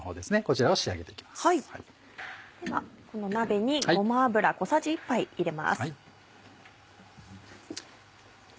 この鍋にごま油小さじ１杯入れます。